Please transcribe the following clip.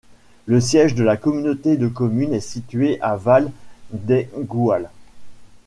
Le siège de la communauté de communes est situé à Val-d'Aigoual.